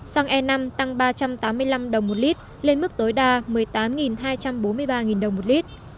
xăng e năm tăng ba trăm tám mươi năm đồng một lít lên mức tối đa một mươi tám hai trăm bốn mươi ba đồng một lít